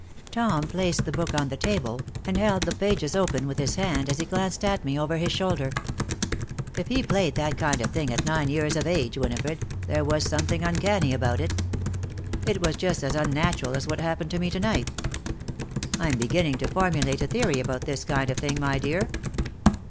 '" Tom placed the book on the table, and held the pages open with his hand as he glanced at me over his shoulder. "If he played that kind of thing at nine years of age, Winifred, there was something uncanny about it. It was just as unnatural as what happened to me to night. I'm beginning to formulate a theory about this kind of thing, my dear."